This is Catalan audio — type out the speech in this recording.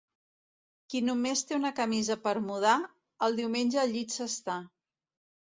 Qui només té una camisa per mudar, el diumenge al llit s'està.